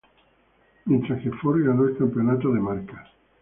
Mientras que Ford ganó el campeonato de marcas.